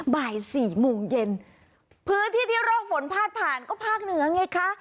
บ่ายสี่โมงเย็นพื้นที่ที่ร่องฝนพาดผ่านก็ภาคเหนือไงคะ